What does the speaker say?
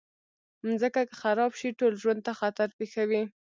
مځکه که خراب شي، ټول ژوند ته خطر پېښوي.